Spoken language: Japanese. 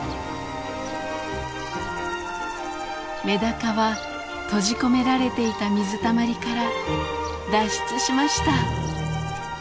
メダカは閉じ込められていた水たまりから脱出しました。